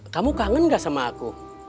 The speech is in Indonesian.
kamu kangen gak sama aku